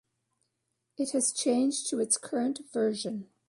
It has changed to its current version.